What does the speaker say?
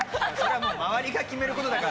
周りが決めることだから。